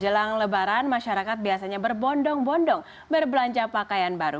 jelang lebaran masyarakat biasanya berbondong bondong berbelanja pakaian baru